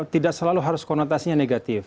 tidak selalu harus konotasinya negatif